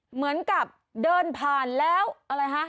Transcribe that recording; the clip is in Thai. เหมือนกับเดินผ่านแล้วอะไรฮะ